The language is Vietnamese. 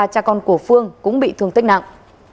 ba cha con của phương cũng bị thương tích nặng